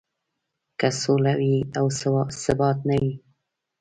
که سوله وي او ثبات نه وي.